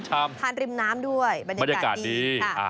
ทานริมน้ำด้วยบรรยากาศดี